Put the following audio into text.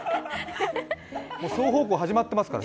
双方向始まってますから。